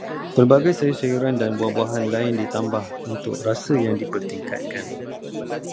Pelbagai sayur-sayuran dan bahan-bahan lain ditambah untuk rasa yang dipertingkatkan